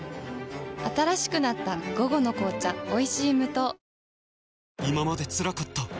新しくなった「午後の紅茶おいしい無糖」